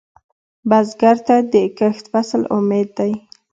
بزګر ته د کښت فصل امید دی